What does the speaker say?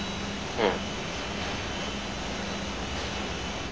うん。